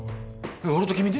俺と君で？